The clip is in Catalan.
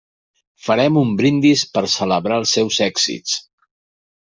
Farem un brindis per celebrar els seus èxits.